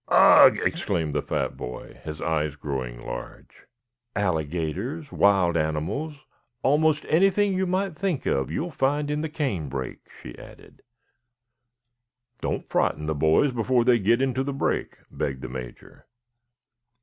"Ugh!" exclaimed the fat boy, his eyes growing large. "Alligators, wild animals, almost anything that you might think of you will find in the canebrake," she added. "Don't frighten the boys before they get into the brake," begged the Major.